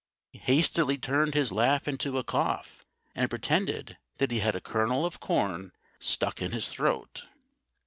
He hastily turned his laugh into a cough and pretended that he had a kernel of corn stuck in his throat.